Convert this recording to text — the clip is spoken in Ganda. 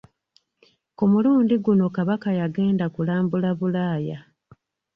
Ku mulundi guno Kabaka yagenda kulambula Bulaaya.